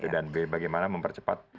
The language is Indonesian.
dan bagaimana mempercepat